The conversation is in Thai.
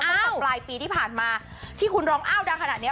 ตั้งแต่ปลายปีที่ผ่านมาที่คุณร้องอ้าวดังขนาดเนี้ย